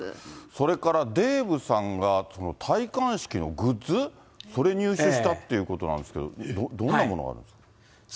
それからデーブさんが戴冠式のグッズ、それ入手したということなんですけど、どんなものなんですか？